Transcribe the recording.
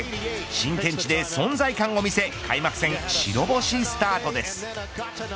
新天地で存在感を見せ開幕戦、白星スタートです。